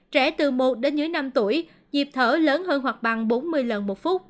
trẻ từ một đến dưới năm tuổi nhịp thở lớn hơn hoặc bằng bốn mươi lần một phút